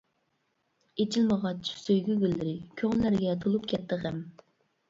ئېچىلمىغاچ سۆيگۈ گۈللىرى، كۆڭۈللەرگە تولۇپ كەتتى غەم.